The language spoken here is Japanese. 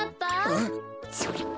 あっそれっ。